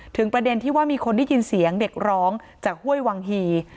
ประเด็นที่ว่ามีคนได้ยินเสียงเด็กร้องจากห้วยวังฮี